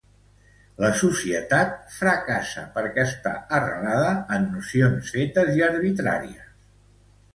La societat patriarcal fracassa perquè està arrelada en nocions fetes i arbitràries.